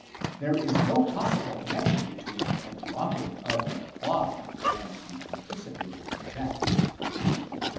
There is no possible connection between the dropping of the cloth and the anticipated effects.